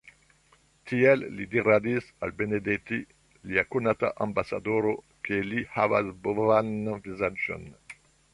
Tiel li diradis al Benedetti, lia konata ambasadoro, ke li havas bovan vizaĝon.